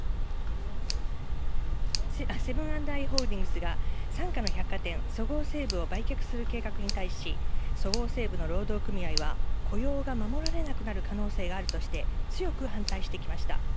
セブン＆アイ・ホールディングスが傘下の百貨店そごう・西武を売却する計画に対し、そごう・西武の労働組合は、雇用が守られなくなる可能性があるとして、強く反対してきました。